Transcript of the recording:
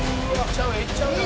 「いっちゃうよ！」